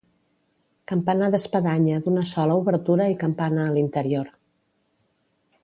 Campanar d'espadanya d'una sola obertura i campana a l'interior.